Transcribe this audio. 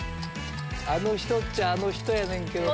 あの人っちゃあの人やねんけど。